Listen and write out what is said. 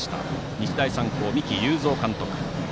日大三高、三木有造監督。